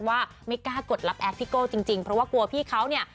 ว่าไม่กล้ากดรับแอดพี่โก้จริงเพราะว่ากลัวพี่เขาเนี่ย